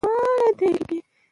يا ټول خلک درباندې راټولم .